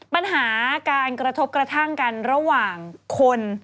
ปัญหาการกระทบกระทั่งกันระหว่างคน